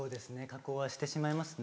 加工はしてしまいますね。